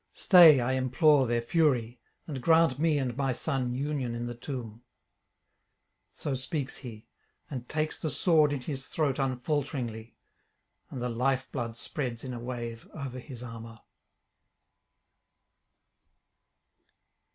Stay, I implore, their fury, and grant me and my son union in the tomb.' So speaks he, and takes the sword in his throat unfalteringly, and the lifeblood spreads in a wave over his armour.